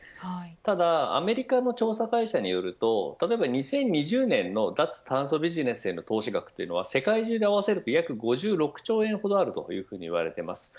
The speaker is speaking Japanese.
ただアメリカの調査会社によると例えば２０２０年の脱炭素ビジネスへの投資額は世界中で合わせると約５６兆円とも言われています。